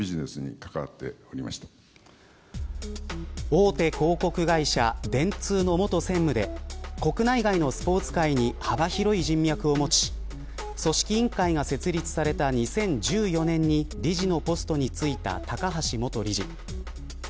大手広告会社電通の元専務で国内外のスポーツ界に幅広い人脈を持ち組織委員会が設立された２０１４年に理事のポストに就いた高橋元知事。